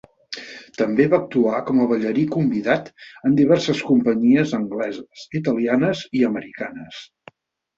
També va actuar com a ballarí convidat en diverses companyies angleses, italianes i americanes.